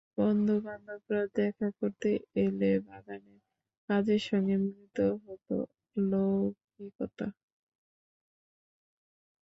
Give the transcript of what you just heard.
বন্ধুবান্ধবরা দেখা করতে এলে বাগানের কাজের সঙ্গে মিলিত হত লৌকিকতা।